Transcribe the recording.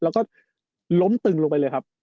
แล้วก็ล้มตึงลงไปเลยครับ